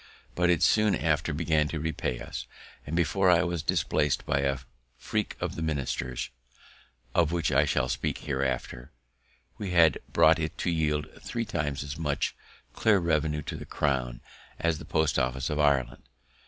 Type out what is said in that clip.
But it soon after began to repay us; and before I was displac'd by a freak of the ministers, of which I shall speak hereafter, we had brought it to yield three times as much clear revenue to the crown as the post office of Ireland.